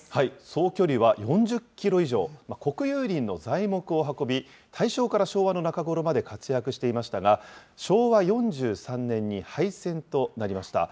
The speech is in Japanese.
総距離は４０キロ以上、国有林の材木を運び、大正から昭和の中頃まで活躍していましたが、昭和４３年に廃線となりました。